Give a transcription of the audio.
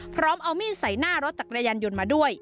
พร้อมเอามีดใส่หน้ารถจักรยานยนต์มาด้วย